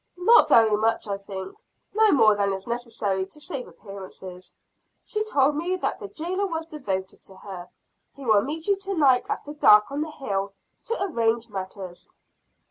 "Not very much I think. No more than is necessary to save appearances. She told me that the jailer was devoted to her. He will meet you to night after dark on the hill, to arrange matters."